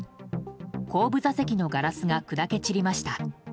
後部座席のガラスが砕け散りました。